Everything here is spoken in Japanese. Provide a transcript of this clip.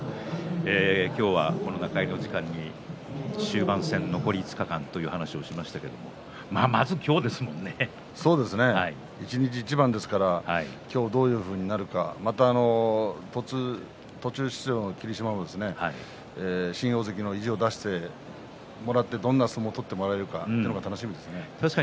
今日は中入りの時間に終盤戦、残り５日間という話をしましたがそうですね一日一番ですから今日はどういうふうになるのかまた、途中出場の霧島も新大関の意地を出してもらってどんな相撲を取ってもらえるか楽しみですね。